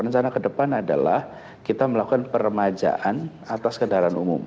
rencana ke depan adalah kita melakukan peremajaan atas kendaraan umum